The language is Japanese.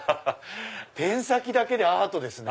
ペン先だけでアートですね。